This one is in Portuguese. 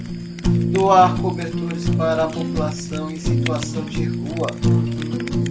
Doar cobertores para a população em situação de rua